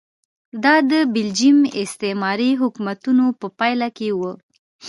دا د بلجیم استعماري حکومتونو په پایله کې و.